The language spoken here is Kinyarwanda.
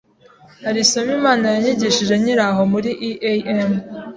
Hari isomo Imana yanyigishije nkiri aho muri EAM